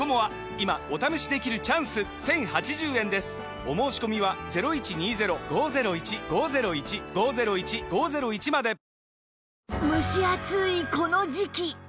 今お試しできるチャンス １，０８０ 円ですお申込みは蒸し暑いこの時期